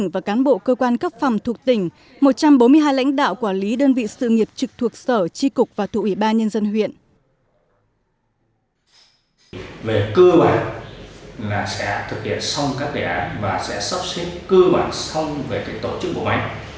và sẽ sắp xếp cơ bản xong về tổ chức bộ máy